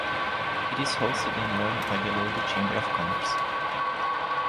It is hosted and run by the Lodi Chamber of Commerce.